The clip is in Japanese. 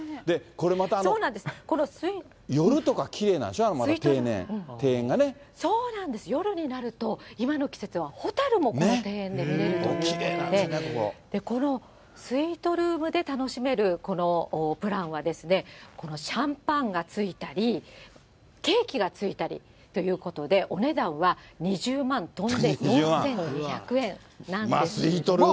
これ、また、夜とかきれいなんでそうなんです、夜になると、今の季節は蛍もこの庭園で見れるということで、このスイートルームで楽しめるこのプランはですね、シャンパンがついたり、ケーキがついたりということで、お値段は２０万とんで４２００円なんですけれども。